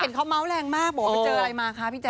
เขาเมาส์แรงมากบอกว่าไปเจออะไรมาคะพี่แจ